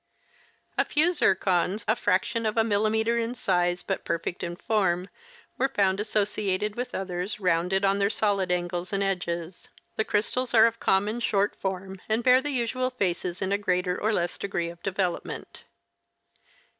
A few zircons, a fi: action of a millimeter in size but perfect in form, were found associated with others rounded on their solid angles and edges. The crystals are of the common short form and bear the usual faces in a greater or less degree of development.